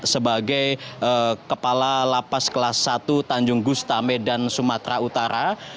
sebagai kepala lapa suka miskin kelas satu tanjung gustame dan sumatera utara